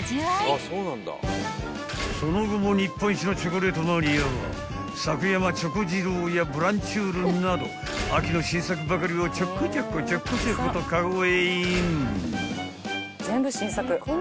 ［その後も日本一のチョコレートマニアはサク山チョコ次郎やブランチュールなど秋の新作ばかりをチョコチョコチョコチョコとカゴへイン］